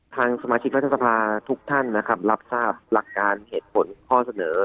ทางสมาชิกรัฐสภาทุกท่านนะครับรับทราบหลักการเหตุผลข้อเสนอ